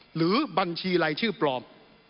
หรือบัญชีรายชื่อปลอม